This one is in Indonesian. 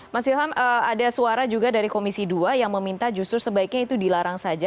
mas ilham ada suara juga dari komisi dua yang meminta justru sebaiknya itu dilarang saja